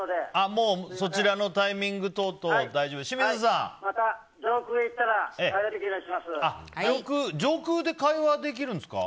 もうそちらのタイミング等々大丈夫ですか？